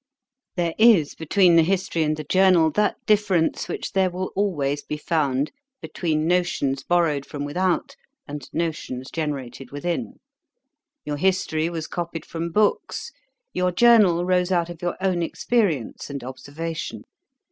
There is between the History and the Journal that difference which there will always be found between notions borrowed from without, and notions generated within. Your History was copied from books; your Journal rose out of your own experience and observation.